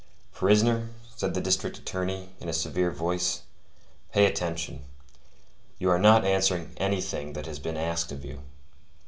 "Prisoner," said the district attorney, in a severe voice; "pay attention. You are not answering anything that has been asked of you.